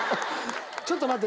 ちょっと待って。